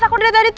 aku dari tadi tuh